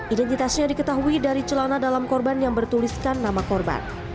identitasnya diketahui dari celana dalam korban yang bertuliskan nama korban